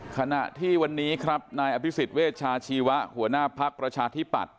ขณะที่วันนี้ครับนายอภิษฎเวชาชีวะหัวหน้าภักดิ์ประชาธิปัตย